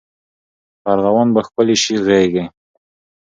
په ارغوان به ښکلي سي غیږي